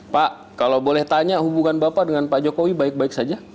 pak kalau boleh tanya hubungan bapak dengan pak jokowi baik baik saja